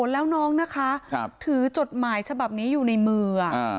แล้วน้องนะคะถือจดหมายฉบับนี้อยู่ในมือ